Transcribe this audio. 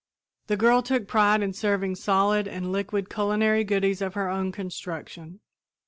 The girl took pride in serving solid and liquid culinary goodies of her own construction.